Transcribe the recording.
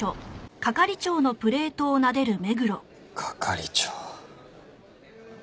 係長。